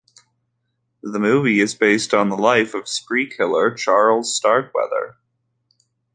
The movie is based on the life of spree killer Charles Starkweather.